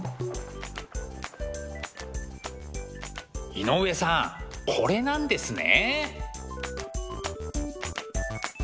井上さんこれなんですね。